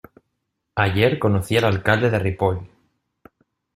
Ayer conocí el alcalde de Ripoll.